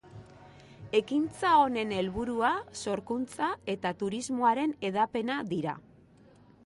Ekintza honen helburua sorkuntza eta turismoaren hedapena dira.